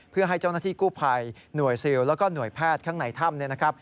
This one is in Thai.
เพื่อให้เจ้าหน้าที่กู้ภัยหน่วยซีลแล้วก็หน่วยแพทย์ข้างในถ้ำ